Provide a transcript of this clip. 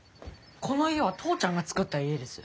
この家は父ちゃんが作った家です。